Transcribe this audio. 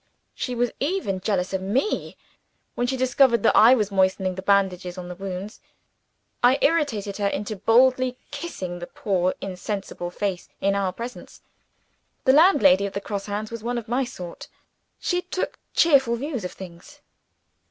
She was even jealous of me, when she discovered that I was moistening the bandages on the wound. I irritated her into boldly kissing the poor insensible face in our presence! The landlady of the Cross Hands was one of my sort: she took cheerful views of things.